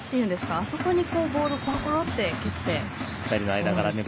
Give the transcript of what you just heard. あそこに、ボールをころころって蹴って。